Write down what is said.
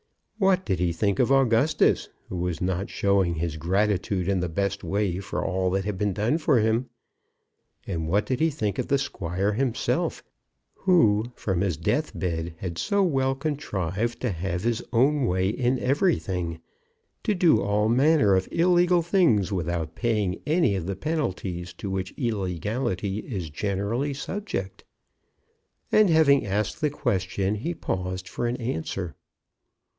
What did he think of Augustus, who was not showing his gratitude in the best way for all that had been done for him? And what did he think of the squire himself, who from his death bed had so well contrived to have his own way in everything, to do all manner of illegal things without paying any of the penalties to which illegality is generally subject? And having asked the question he paused for an answer.